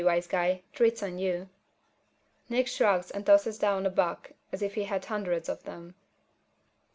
wise guy, treat's on you." Nick shrugs and tosses down a buck as if he had hundreds of them.